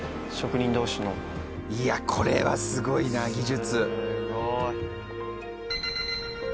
いやこれはすごいな技術。